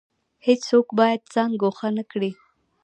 هیڅوک باید ځان ګوښه نکړي